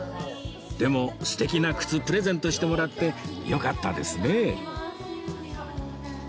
でも素敵な靴プレゼントしてもらってよかったですね